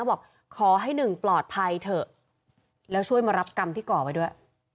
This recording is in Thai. บอกขอให้หนึ่งปลอดภัยเถอะแล้วช่วยมารับกรรมที่ก่อไว้ด้วย